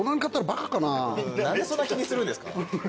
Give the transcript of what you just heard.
何でそんな気にするんですか？